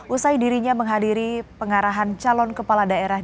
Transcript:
usai dirinya menghadiri pengarahan calon kepala daerah